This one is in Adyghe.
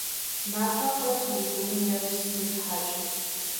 Мафэ къэс убгы нэсэу зытхьакӏ!